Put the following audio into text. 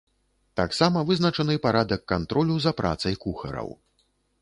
Таксама вызначаны парадак кантролю за працай кухараў.